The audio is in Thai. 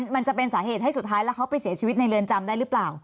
มันจะเป็นสาเหตุให้สุดท้ายแล้วเขาไปเสียชีวิตในเรือนจำได้หรือเปล่า